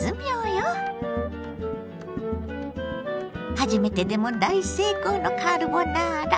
初めてでも大成功のカルボナーラ。